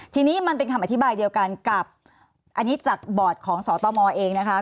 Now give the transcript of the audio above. ทีนี้มันเป็นคำอธิบายเดียวกันกับอันนี้จากบอร์ดของสตมเองนะคะ